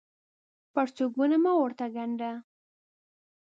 پرتوګونه مه ورته ګاڼډه